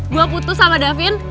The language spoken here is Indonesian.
gue putus sama davin